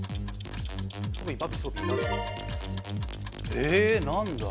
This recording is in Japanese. え何だ？